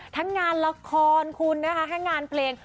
ทั้งงานละครทั้งงานปลง